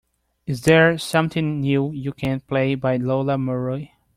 is there something new you can play by Lola Monroe